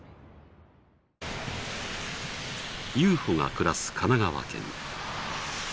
有穂が暮らす神奈川県。